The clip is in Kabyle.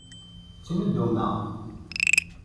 La ttnudumeɣ.